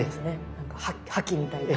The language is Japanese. なんか覇気みたいな。